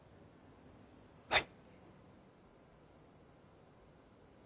はい。